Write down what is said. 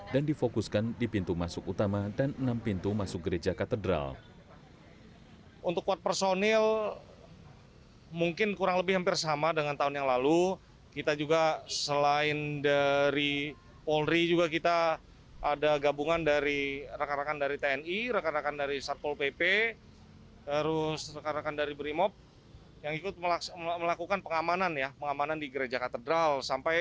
dan difokuskan di pintu masuk utama dan enam pintu masuk gereja katedral